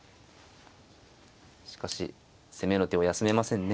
しかし攻めの手を休めませんね。